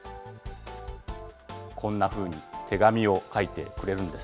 こんなふうに、手紙を書いてくれるんです。